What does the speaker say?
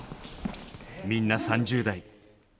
みんな３０代。